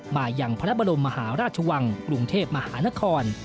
มาอย่างพระบรมมหาราชวังกรุงเทพมหานคร